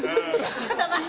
ちょっと待って！